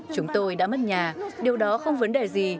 chúng tôi đã mất nhà điều đó không vấn đề gì